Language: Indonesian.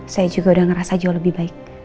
saya juga udah ngerasa jauh lebih baik